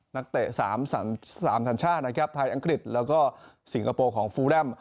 นักเตะ๓ธนชาติไทยอังกฤษแล้วก็สิงคโปร์ฟูแรม